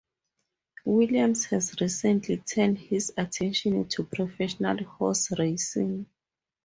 Williams has recently turned his attention to professional horse racing.